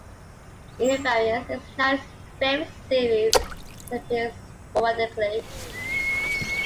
"Invariance" is now in its fifth series and appears sporadically.